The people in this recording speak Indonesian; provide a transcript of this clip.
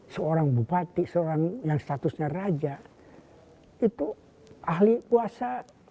seorang bupati seorang yang statusnya raja itu ahli kuasa